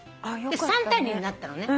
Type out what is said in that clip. で３対２になったのね。